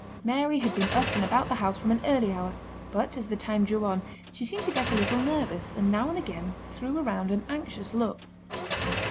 Mary had been up and about the house from an early hour; but as the time drew on she seemed to get a little nervous and now and again threw around an anxious look.